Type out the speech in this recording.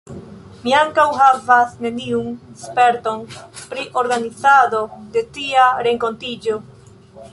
Mi ankaŭ havas neniun sperton pri organizado de tia renkontiĝo.